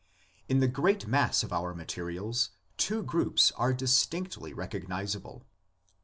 IN the great mass of our materials two groups are distinctly recognisable: 1.